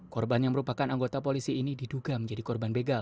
korban yang merupakan anggota polisi ini diduga menjadi korban begal